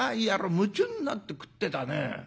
夢中になって食ってたね。